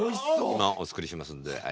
今お作りしますんではい。